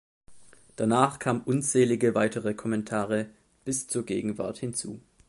Danach kamen unzählige weitere Kommentare bis zur Gegenwart hinzu.